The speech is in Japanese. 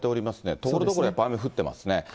ところどころで雨、やっぱ降ってますね。